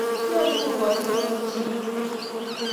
Nyalu kokonyit lagok sigik kwag.